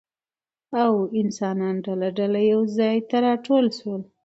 او انسانان ډله ډله يو ځاى ته راټول شول